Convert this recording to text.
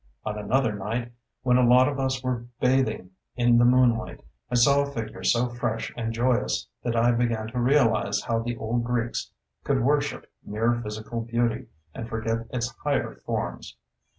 On another night, when a lot of us were bathing in the moonlight, I saw a figure so fresh and joyous that I began to realize how the old Greeks could worship mere physical beauty and forget its higher forms.